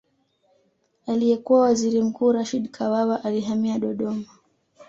Aliyekuwa Waziri Mkuu Rashid Kawawa alihamia Dodoma